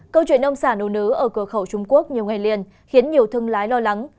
câu chuyện ông xã nô nứ ở cửa khẩu trung quốc nhiều ngày liền khiến nhiều thương lái lo lắng